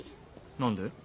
何で？